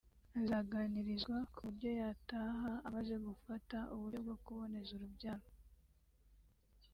azaganirizwa ku buryo yataha amaze gufata uburyo bwo kuboneza urubyaro